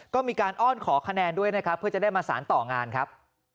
ก็มีการอ้อนขอคะแนนด้วยนะครับเพื่อจะได้มาสารต่องานครับ